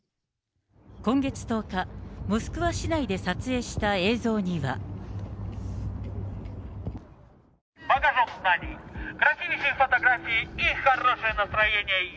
今月１０日、モスクワ市内で撮影した映像には。